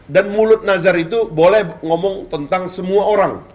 dan mulut nazar itu boleh ngomong tentang semua orang